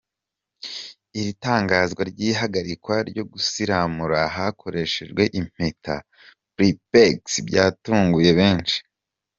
Iri tangazwa ry’ihagarikwa ryo gusiramura hakoreshejwe impeta “prepex” byatunguye benshi.